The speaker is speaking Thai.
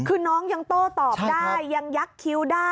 คือน้องยังโต้ตอบได้ยังยักษ์คิ้วได้